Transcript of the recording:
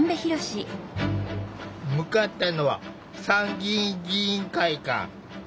向かったのは参議院議員会館。